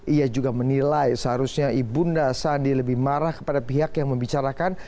ia juga menilai seharusnya ibunda sandi lebih marah kepada pihak yang membicarakan